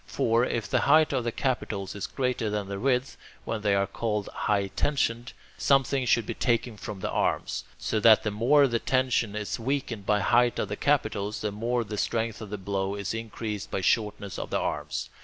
For, if the height of the capitals is greater than their width when they are called "high tensioned," something should be taken from the arms, so that the more the tension is weakened by height of the capitals, the more the strength of the blow is increased by shortness of the arms.